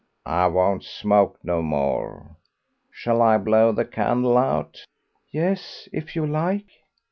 "I won't smoke no more. Shall I blow the candle out?" "Yes, if you like."